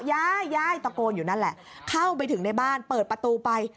ยายยายตะโกนอยู่นั่นแหละเข้าไปถึงในบ้านเปิดประตูไป